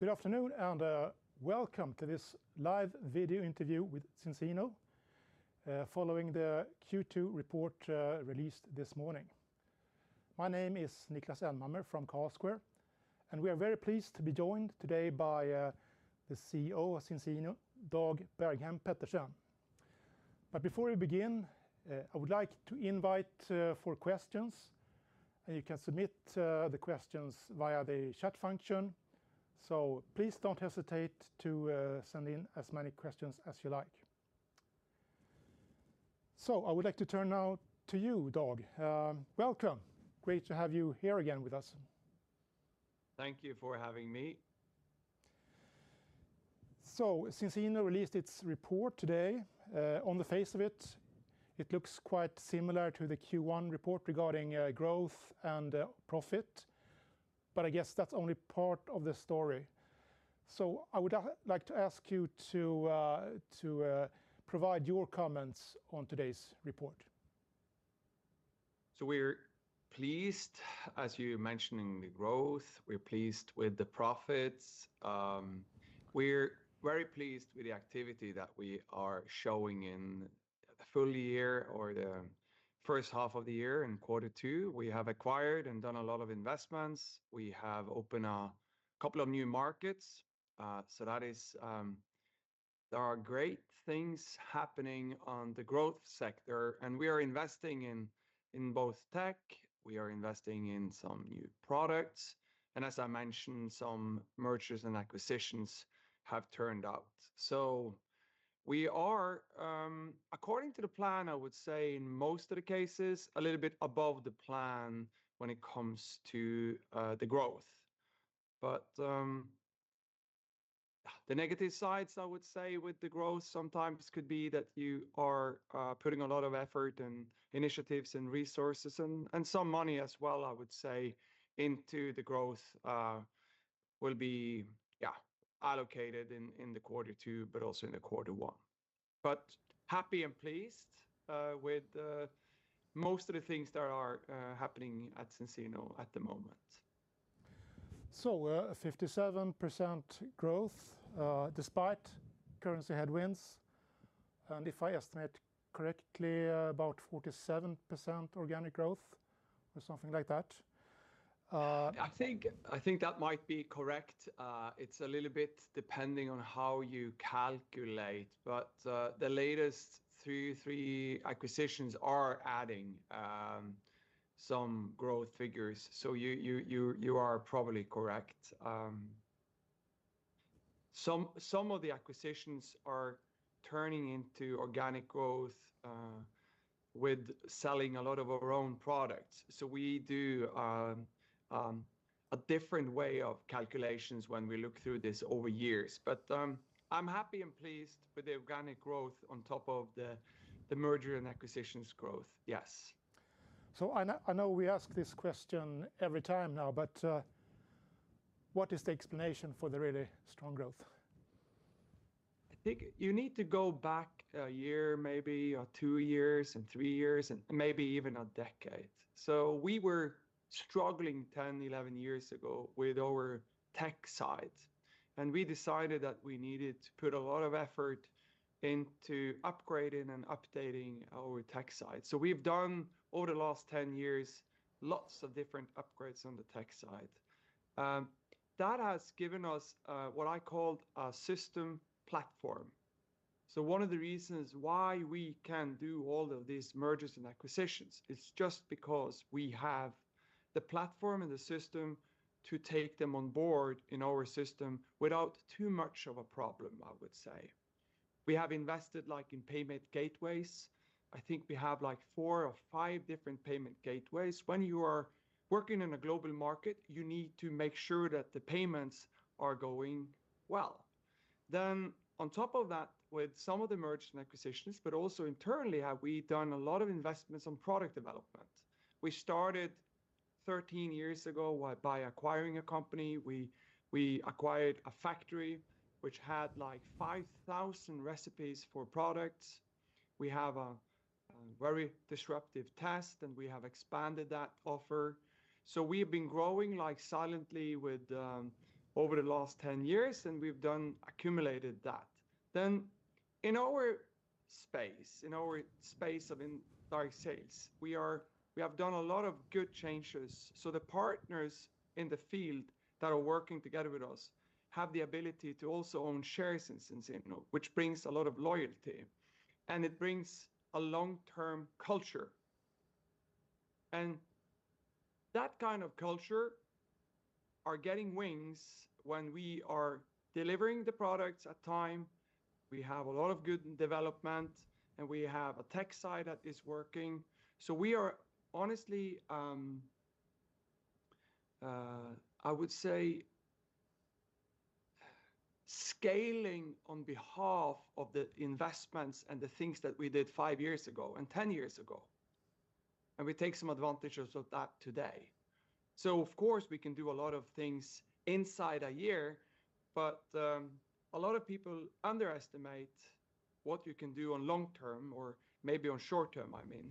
Good afternoon, and welcome to this live video interview with Zinzino following the Q2 report released this morning. My name is Niklas Elmhammer from Carlsquare, and we are very pleased to be joined today by the CEO of Zinzino, Dag Bergheim Pettersen, but before we begin, I would like to invite for questions, and you can submit the questions via the chat function, so please don't hesitate to send in as many questions as you like, so I would like to turn now to you, Dag. Welcome. Great to have you here again with us. Thank you for having me. So Zinzino released its report today. On the face of it, it looks quite similar to the Q1 report regarding growth and profit, but I guess that's only part of the story. So I would like to ask you to provide your comments on today's report. So we're pleased, as you mentioned, in the growth. We're pleased with the profits. We're very pleased with the activity that we are showing in the full year or the first half of the year in quarter two. We have acquired and done a lot of investments. We have opened a couple of new markets. So that is, there are great things happening on the growth sector, and we are investing in both tech. We are investing in some new products, and as I mentioned, some mergers and acquisitions have turned out. So we are, according to the plan, I would say in most of the cases, a little bit above the plan when it comes to the growth. But the negative sides, I would say, with the growth sometimes could be that you are putting a lot of effort and initiatives and resources and some money as well, I would say, into the growth will be allocated in the quarter two, but also in the quarter one. But happy and pleased with most of the things that are happening at Zinzino at the moment. 57% growth despite currency headwinds, and if I estimate correctly, about 47% organic growth or something like that. I think that might be correct. It's a little bit depending on how you calculate, but the latest three, three acquisitions are adding some growth figures. So you are probably correct. Some of the acquisitions are turning into organic growth with selling a lot of our own products. So we do a different way of calculations when we look through this over years. But I'm happy and pleased with the organic growth on top of the merger and acquisitions growth. Yes. So I know we ask this question every time now, but what is the explanation for the really strong growth? I think you need to go back a year, maybe two years and three years, and maybe even a decade. So we were struggling 10, 11 years ago with our tech side, and we decided that we needed to put a lot of effort into upgrading and updating our tech side. So we've done over the last 10 years lots of different upgrades on the tech side. That has given us what I called a system platform. So one of the reasons why we can do all of these mergers and acquisitions is just because we have the platform and the system to take them on board in our system without too much of a problem, I would say. We have invested like in payment gateways. I think we have like four or five different payment gateways. When you are working in a global market, you need to make sure that the payments are going well. Then on top of that, with some of the mergers and acquisitions, but also internally, have we done a lot of investments on product development? We started 13 years ago by acquiring a company. We acquired a factory which had like 5,000 recipes for products. We have a very disruptive test, and we have expanded that offer. So we have been growing like silently over the last 10 years, and we've done accumulated that. Then in our space, in our space of indirect sales, we have done a lot of good changes. So the partners in the field that are working together with us have the ability to also own shares in Zinzino, which brings a lot of loyalty, and it brings a long-term culture. That kind of culture is getting wings when we are delivering the products at times. We have a lot of good development, and we have a tech side that is working. So we are honestly, I would say, scaling on behalf of the investments and the things that we did five years ago and 10 years ago. We take some advantages of that today. So of course, we can do a lot of things inside a year, but a lot of people underestimate what you can do on long term or maybe on short term, I mean,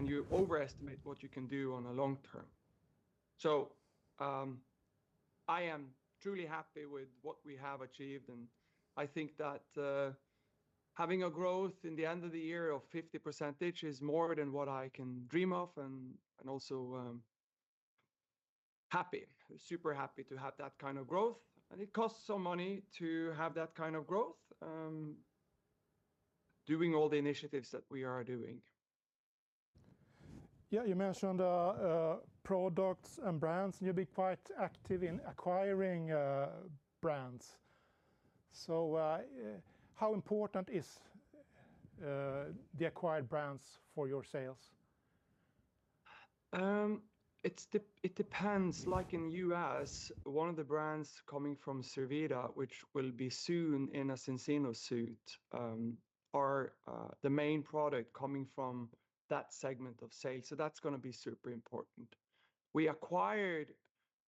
and you overestimate what you can do on a long term. So I am truly happy with what we have achieved, and I think that having a growth in the end of the year of 50% is more than what I can dream of and also happy, super happy to have that kind of growth. And it costs some money to have that kind of growth doing all the initiatives that we are doing. Yeah, you mentioned products and brands. You've been quite active in acquiring brands. So how important are the acquired brands for your sales? It depends. Like in the U.S., one of the brands coming from Zurvita, which will be soon in a Zinzino suite, are the main product coming from that segment of sales, so that's going to be super important. We acquired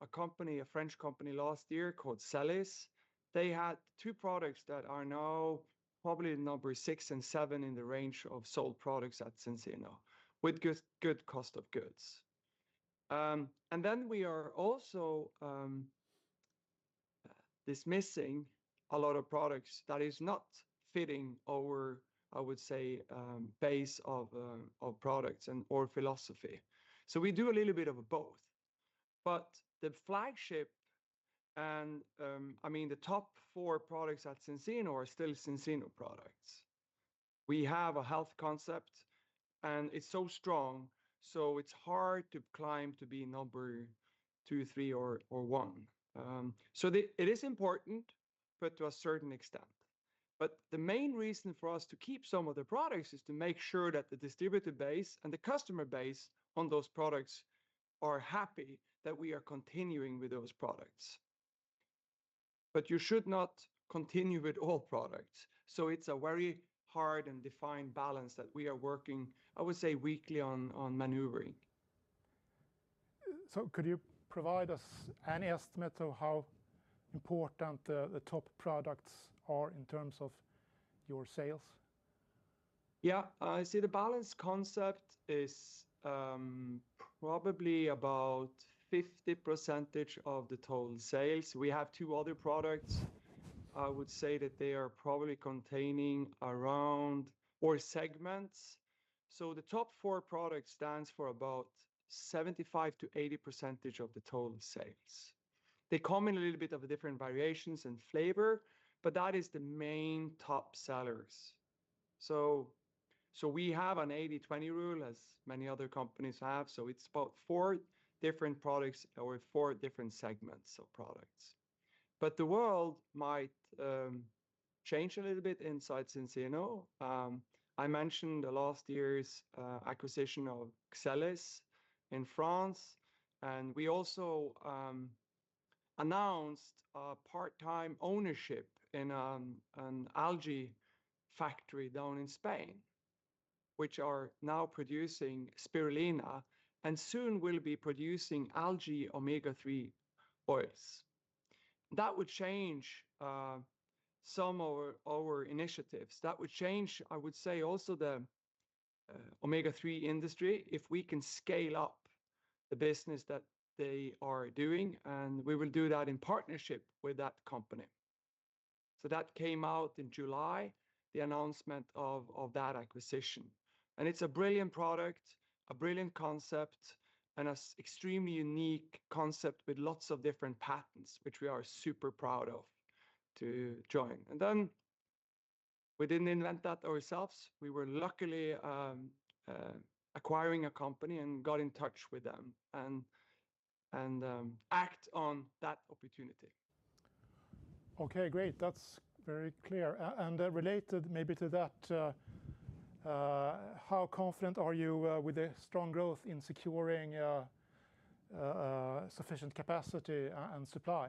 a company, a French company last year called Xelliss. They had two products that are now probably number six and seven in the range of sold products at Zinzino with good cost of goods, and then we are also dismissing a lot of products that are not fitting our, I would say, base of products and our philosophy, so we do a little bit of both, but the flagship, and I mean, the top four products at Zinzino are still Zinzino products. We have a health concept, and it's so strong, so it's hard to climb to be number two, three, or one. So it is important, but to a certain extent. But the main reason for us to keep some of the products is to make sure that the distributor base and the customer base on those products are happy that we are continuing with those products. But you should not continue with all products. So it's a very hard and defined balance that we are working, I would say, weekly on maneuvering. So could you provide us any estimate of how important the top products are in terms of your sales? Yeah, I see the Balance Concept is probably about 50% of the total sales. We have two other products. I would say that they are probably containing around or segments. So the top four products stand for about 75%-80% of the total sales. They come in a little bit of different variations and flavor, but that is the main top sellers. So we have an 80/20 rule, as many other companies have. So it's about four different products or four different segments of products. But the world might change a little bit inside Zinzino. I mentioned the last year's acquisition of Xelliss in France, and we also announced a part-time ownership in an algae factory down in Spain, which are now producing spirulina and soon will be producing algae omega-3 oils. That would change some of our initiatives. That would change, I would say, also the omega-3 industry if we can scale up the business that they are doing, and we will do that in partnership with that company. So that came out in July, the announcement of that acquisition. And it's a brilliant product, a brilliant concept, and an extremely unique concept with lots of different patents, which we are super proud of to join. And then we didn't invent that ourselves. We were luckily acquiring a company and got in touch with them and act on that opportunity. Okay, great. That's very clear. And related maybe to that, how confident are you with the strong growth in securing sufficient capacity and supply?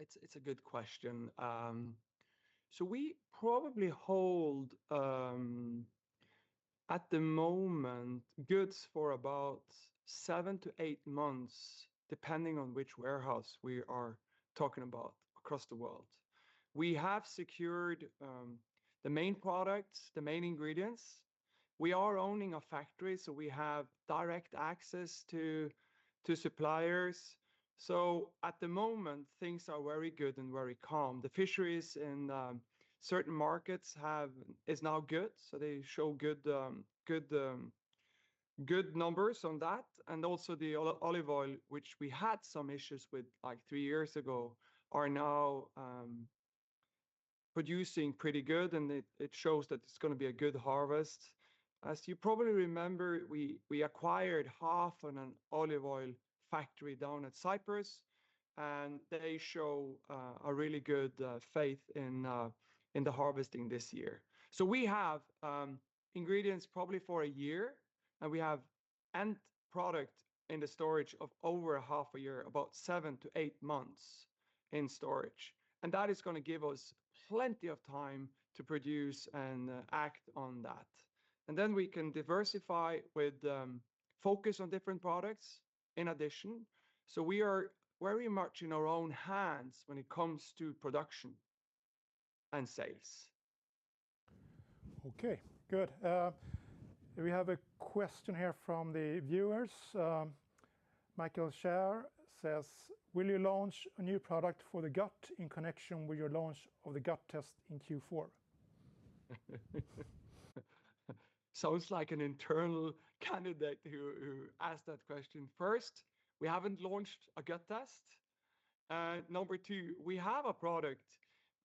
It's a good question. So we probably hold at the moment goods for about seven to eight months, depending on which warehouse we are talking about across the world. We have secured the main products, the main ingredients. We are owning a factory, so we have direct access to suppliers. So at the moment, things are very good and very calm. The fisheries in certain markets is now good, so they show good numbers on that. And also the olive oil, which we had some issues with like three years ago, are now producing pretty good, and it shows that it's going to be a good harvest. As you probably remember, we acquired half of an olive oil factory down at Cyprus, and they show a really good faith in the harvesting this year. So we have ingredients probably for a year, and we have end product in the storage of over half a year, about seven to eight months in storage. And that is going to give us plenty of time to produce and act on that. And then we can diversify with focus on different products in addition. So we are very much in our own hands when it comes to production and sales. Okay, good. We have a question here from the viewers. Michael Scher says, "Will you launch a new product for the gut in connection with your launch of the gut test in Q4? Sounds like an internal candidate who asked that question. First, we haven't launched a gut test. Number two, we have a product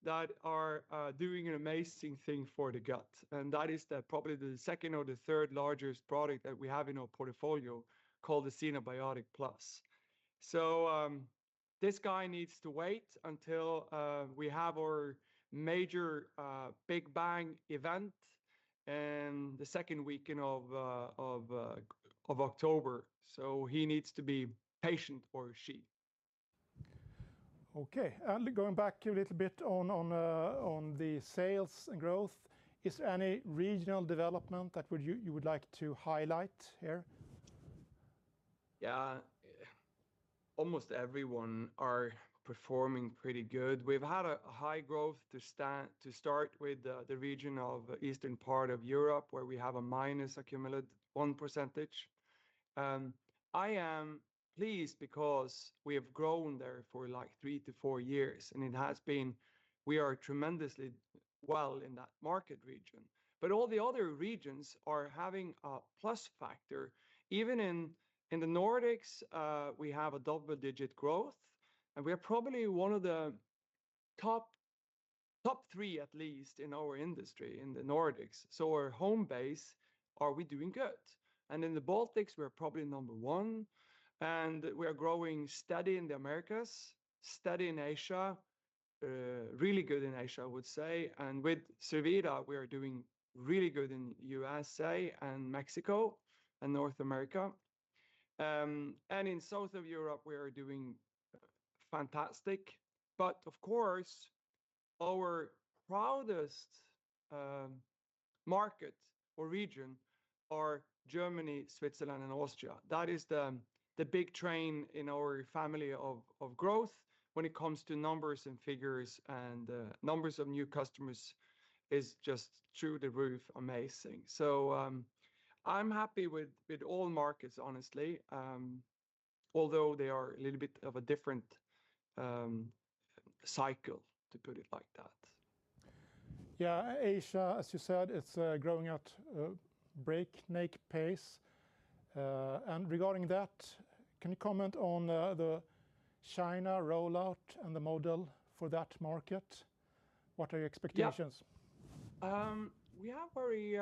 that is doing an amazing thing for the gut, and that is probably the second or the third largest product that we have in our portfolio called the ZinoBiotic+. So this guy needs to wait until we have our major big bang event in the second week of October. So he needs to be patient or she. Okay, and going back a little bit on the sales and growth, is there any regional development that you would like to highlight here? Yeah, almost everyone is performing pretty good. We've had a high growth to start with the region of Eastern Europe where we have a minus accumulated 1%. I am pleased because we have grown there for like three to four years, and it has been we are tremendously well in that market region. But all the other regions are having a plus factor. Even in the Nordics, we have a double-digit growth, and we are probably one of the top three, at least in our industry in the Nordics. So our home base, are we doing good? And in the Baltics, we're probably number one, and we are growing steady in the Americas, steady in Asia, really good in Asia, I would say. And with Zurvita, we are doing really good in the USA and Mexico and North America. In South of Europe, we are doing fantastic. Of course, our proudest market or region are Germany, Switzerland, and Austria. That is the big train in our family of growth. When it comes to numbers and figures and numbers of new customers, it's just through the roof, amazing. I'm happy with all markets, honestly, although they are a little bit of a different cycle, to put it like that. Yeah, Asia, as you said, it's growing at breakneck pace. And regarding that, can you comment on the China rollout and the model for that market? What are your expectations? Yeah, we have very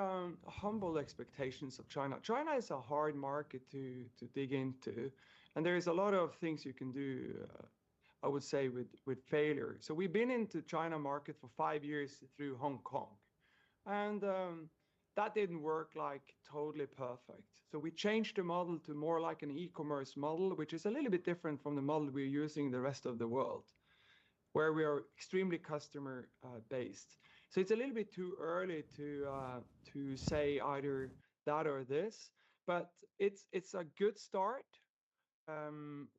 humble expectations of China. China is a hard market to dig into, and there are a lot of things you can do, I would say, with failure. So we've been into the China market for five years through Hong Kong, and that didn't work like totally perfect. So we changed the model to more like an e-commerce model, which is a little bit different from the model we're using in the rest of the world, where we are extremely customer-based. So it's a little bit too early to say either that or this, but it's a good start.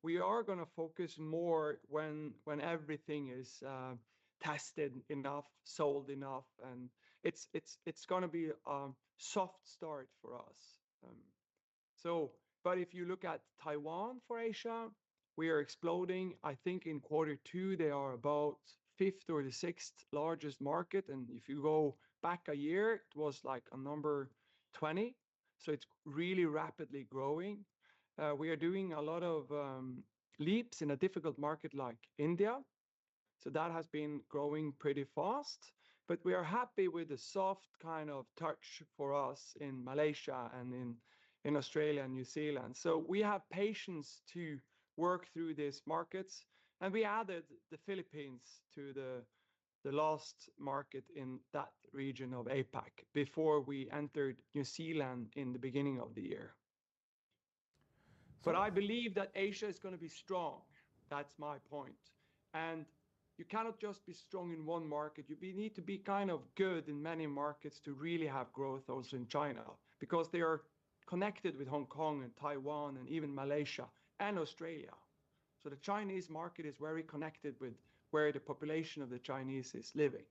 We are going to focus more when everything is tested enough, sold enough, and it's going to be a soft start for us. But if you look at Taiwan for Asia, we are exploding. I think in quarter two, they are about fifth or the sixth largest market. And if you go back a year, it was like a number 20. So it's really rapidly growing. We are doing a lot of leaps in a difficult market like India. So that has been growing pretty fast. But we are happy with a soft kind of touch for us in Malaysia and in Australia and New Zealand. So we have patience to work through these markets. And we added the Philippines to the last market in that region of APAC before we entered New Zealand in the beginning of the year. But I believe that Asia is going to be strong. That's my point. And you cannot just be strong in one market. You need to be kind of good in many markets to really have growth also in China because they are connected with Hong Kong and Taiwan and even Malaysia and Australia. The Chinese market is very connected with where the population of the Chinese is living.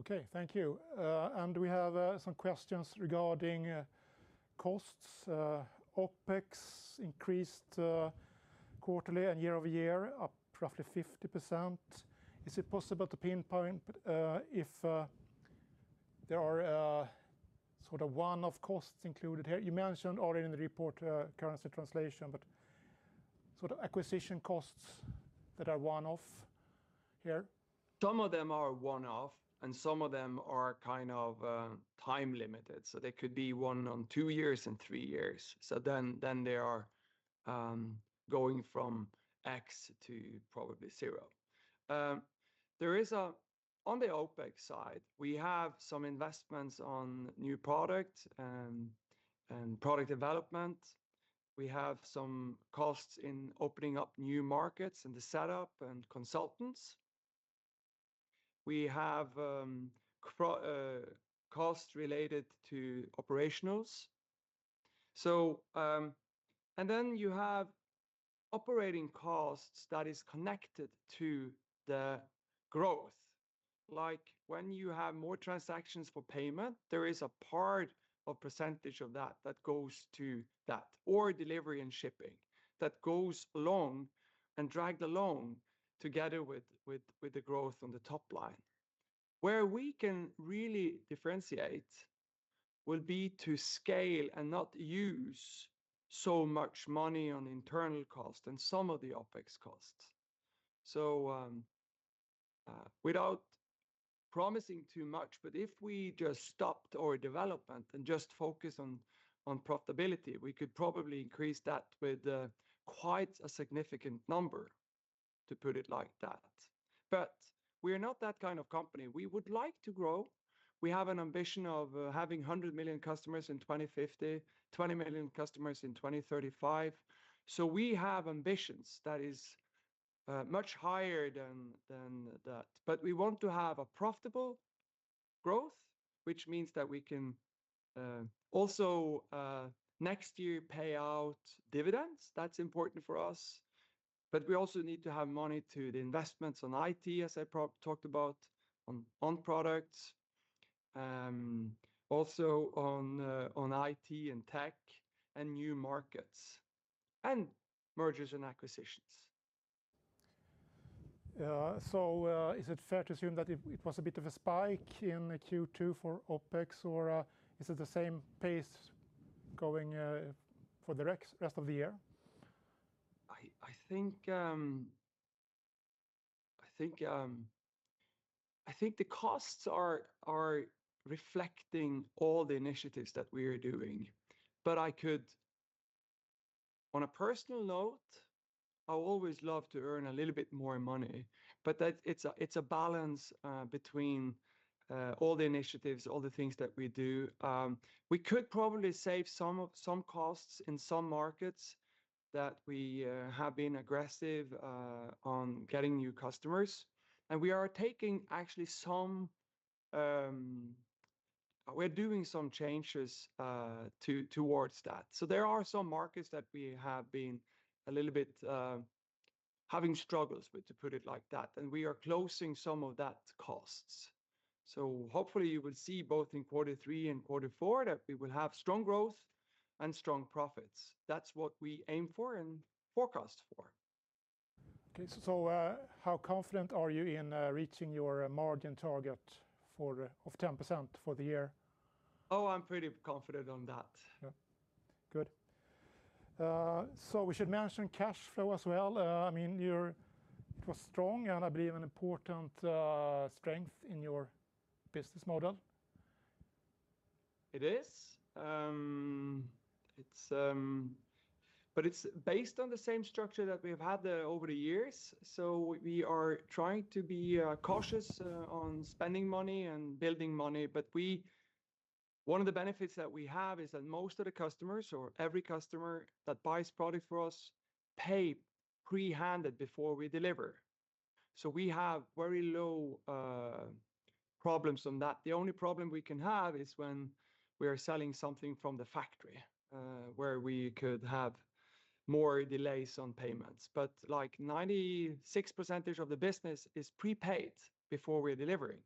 Okay, thank you. And we have some questions regarding costs. OpEx increased quarterly and year over year, up roughly 50%. Is it possible to pinpoint if there are sort of one-off costs included here? You mentioned already in the report, currency translation, but sort of acquisition costs that are one-off here? Some of them are one-off, and some of them are kind of time-limited. So they could be one or two years and three years. So then they are going from X to probably zero. On the OpEx side, we have some investments on new products and product development. We have some costs in opening up new markets and the setup and consultants. We have costs related to operationals. And then you have operating costs that are connected to the growth. Like when you have more transactions for payment, there is a part of percentage of that that goes to that or delivery and shipping that goes along and drags along together with the growth on the top line. Where we can really differentiate will be to scale and not use so much money on internal costs and some of the OpEx costs. So without promising too much, but if we just stopped our development and just focused on profitability, we could probably increase that with quite a significant number, to put it like that. But we are not that kind of company. We would like to grow. We have an ambition of having 100 million customers in 2050, 20 million customers in 2035. So we have ambitions that are much higher than that. But we want to have a profitable growth, which means that we can also next year pay out dividends. That's important for us. But we also need to have money to the investments on IT, as I talked about, on products, also on IT and tech and new markets and mergers and acquisitions. So is it fair to assume that it was a bit of a spike in Q2 for OpEx, or is it the same pace going for the rest of the year? I think the costs are reflecting all the initiatives that we are doing. But I could, on a personal note, I always love to earn a little bit more money, but it's a balance between all the initiatives, all the things that we do. We could probably save some costs in some markets that we have been aggressive on getting new customers. And we are actually doing some changes towards that. So there are some markets that we have been a little bit having struggles with, to put it like that. And we are closing some of that costs. So hopefully you will see both in quarter three and quarter four that we will have strong growth and strong profits. That's what we aim for and forecast for. Okay, so how confident are you in reaching your margin target of 10% for the year? Oh, I'm pretty confident on that. Yeah, good. So we should mention cash flow as well. I mean, it was strong and I believe an important strength in your business model. It is. But it's based on the same structure that we have had over the years. So we are trying to be cautious on spending money and building money. But one of the benefits that we have is that most of the customers or every customer that buys products for us pays prepaid before we deliver. So we have very low problems on that. The only problem we can have is when we are selling something from the factory where we could have more delays on payments. But like 96% of the business is prepaid before we're delivering.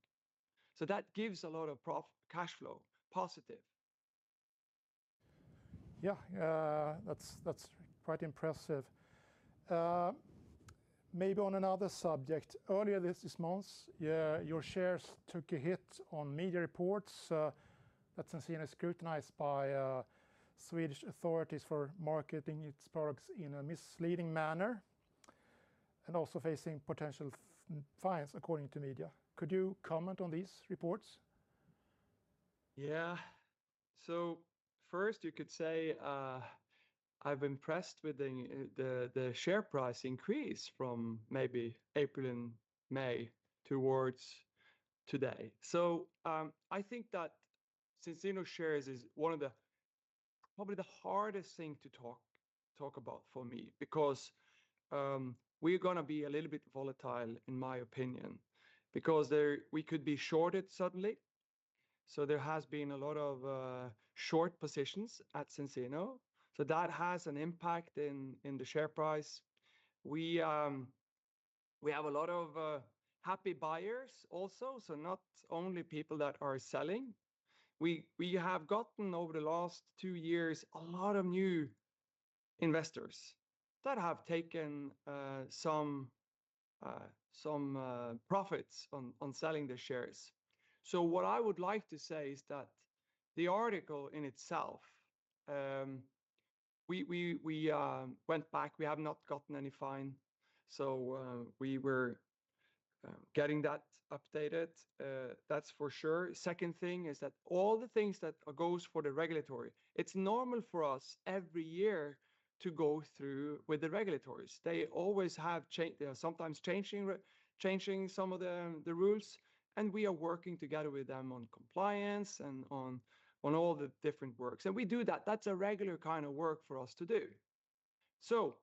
So that gives a lot of cash flow, positive. Yeah, that's quite impressive. Maybe on another subject. Earlier this month, your shares took a hit on media reports that have been scrutinized by Swedish authorities for marketing its products in a misleading manner and also facing potential fines, according to media. Could you comment on these reports? Yeah. So first, you could say I'm impressed with the share price increase from maybe April and May towards today. So I think that Zinzino shares is probably the hardest thing to talk about for me because we are going to be a little bit volatile, in my opinion, because we could be shorted suddenly. So there has been a lot of short positions at Zinzino. So that has an impact in the share price. We have a lot of happy buyers also, so not only people that are selling. We have gotten over the last two years a lot of new investors that have taken some profits on selling their shares. So what I would like to say is that the article in itself, we went back, we have not gotten any fine. So we were getting that updated, that's for sure. Second thing is that all the things that go for the regulatory. It's normal for us every year to go through with the regulators. They always have changed. They are sometimes changing some of the rules, and we are working together with them on compliance and on all the different works. And we do that. That's a regular kind of work for us to do. So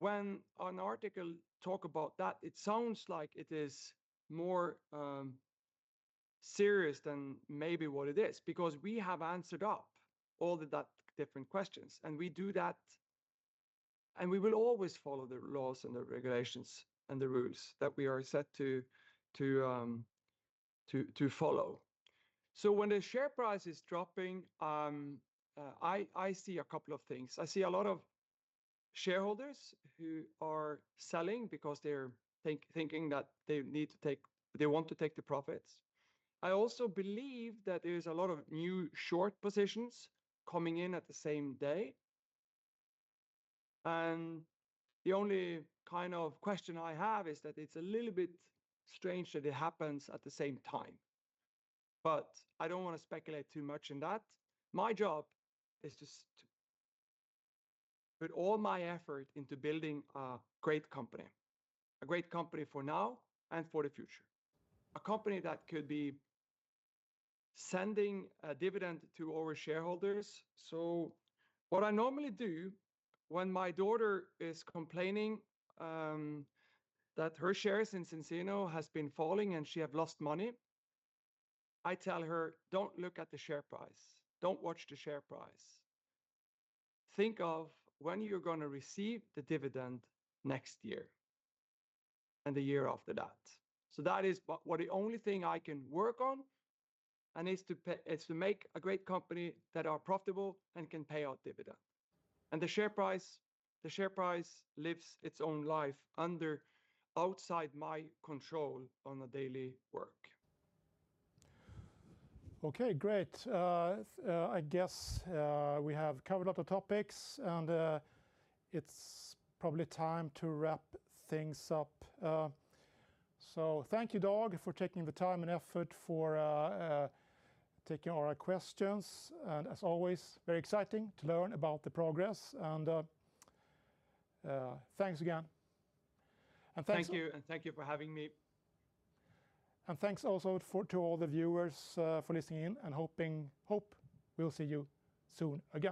when an article talks about that, it sounds like it is more serious than maybe what it is because we have answered up all of that different questions. And we do that, and we will always follow the laws and the regulations and the rules that we are set to follow. So when the share price is dropping, I see a couple of things. I see a lot of shareholders who are selling because they're thinking that they need to take, they want to take the profits. I also believe that there's a lot of new short positions coming in at the same day, and the only kind of question I have is that it's a little bit strange that it happens at the same time, but I don't want to speculate too much in that. My job is to put all my effort into building a great company, a great company for now and for the future, a company that could be sending a dividend to our shareholders, so what I normally do when my daughter is complaining that her shares in Zinzino have been falling and she has lost money, I tell her, "Don't look at the share price. Don't watch the share price. Think of when you're going to receive the dividend next year and the year after that." So that is the only thing I can work on, and it's to make a great company that is profitable and can pay out dividends. And the share price lives its own life outside my control in the daily work. Okay, great. I guess we have covered a lot of topics, and it's probably time to wrap things up. So thank you, Dag, for taking the time and effort for taking our questions. And as always, very exciting to learn about the progress. And thanks again. Thank you for having me. Thanks also to all the viewers for listening in, and hope we'll see you soon again.